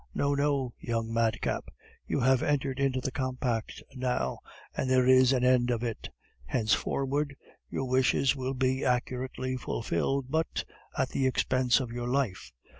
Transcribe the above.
No, no, young madcap. You have entered into the compact now, and there is an end of it. Henceforward, your wishes will be accurately fulfilled, but at the expense of your life.